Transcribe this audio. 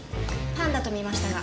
パンダと見ましたが。